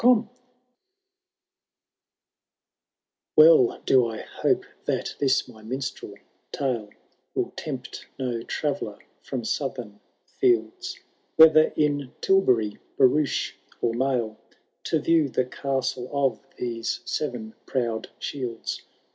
L WmLL do I hope that this mj miiistrel tale Will tempt no tmreller from southern fields, Whether in tilbury, barouche, or mail. To view the Castle of these Seren Proud Shields.